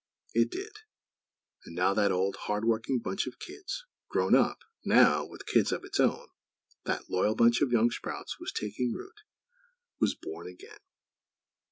It did. And now that old, hard working bunch of kids, grown up, now, and with kids of its own; that loyal bunch of young sprouts was taking root; was born again!